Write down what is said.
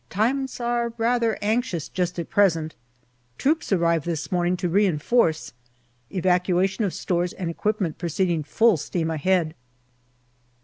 Times are rather anxious just at present. Troops arrive this morning to reinforce. Evacuation of stores and equipment proceed ing full steam ahead.